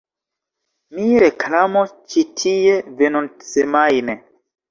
Mi reklamos ĉi tie venontsemajne